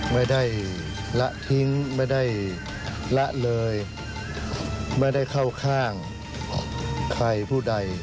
ไม่ได้ละทิ้งไม่ได้ละเลยไม่ได้เข้าข้างใครผู้ใด